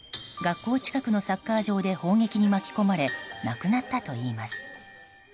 学校近くのサッカー場で砲撃に巻き込まれ亡くなったといいます。